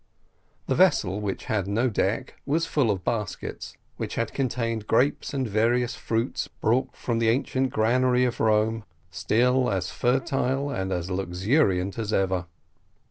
The vessel, which had no neck, was full of baskets, which had contained grapes and various fruits brought from the ancient granary of Rome, still as fertile and as luxuriant as ever.